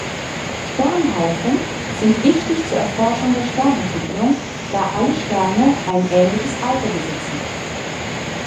Sternhaufen sind wichtig zur Erforschung der Sternentwicklung, da alle Sterne ein ähnliches Alter besitzen.